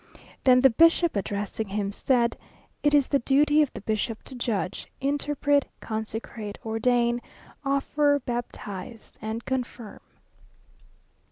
Then the bishop, addressing him said: "It is the duty of the bishop to judge, interpret, consecrate, ordain, offer, baptize, and confirm."